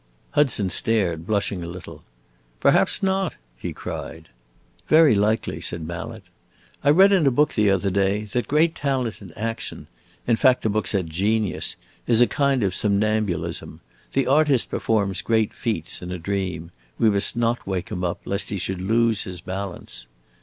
Hudson stared, blushing a little. "Perhaps not!" he cried. "Very likely," said Mallet. "I read in a book the other day that great talent in action in fact the book said genius is a kind of somnambulism. The artist performs great feats, in a dream. We must not wake him up, lest he should lose his balance."